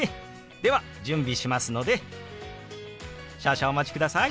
では準備しますので少々お待ちください。